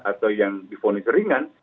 atau yang difonis ringan